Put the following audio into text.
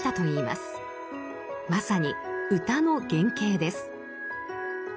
まさに「歌」の原型です。